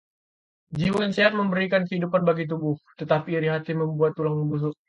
Jiwa yang sehat memberi kehidupan bagi tubuh, tetapi iri hati membuat tulang membusuk.